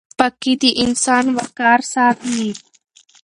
پاکي د انسان وقار ساتي.